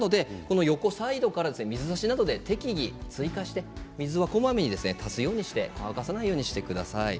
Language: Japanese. サイドから適宜水差しで追加して、水を足すようにして乾かさないようにしてください。